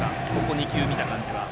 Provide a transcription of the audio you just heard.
２球見た感じは。